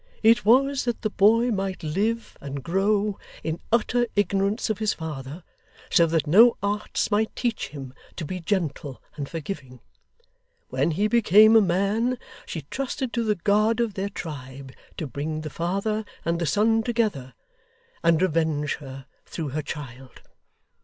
It was that the boy might live and grow, in utter ignorance of his father, so that no arts might teach him to be gentle and forgiving. When he became a man, she trusted to the God of their tribe to bring the father and the son together, and revenge her through her child.